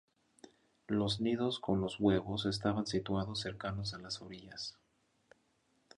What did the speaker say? Los nidos con los huevos estaban situados cercanos a las orillas.